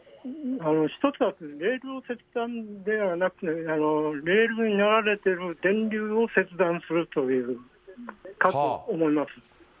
一つはレールを切断ではなく、レールに流れてる電流を切断するということかと思います。